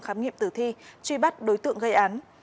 khám nghiệm tử thi truy bắt đối tượng gây án